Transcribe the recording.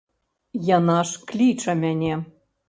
Яна ж кліча мяне.